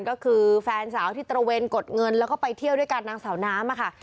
ก็คือแฟนสาวที่ตระเวนกดเงินแล้วก็ไปเที่ยวด้วยกันนางสาวน้ำค่ะ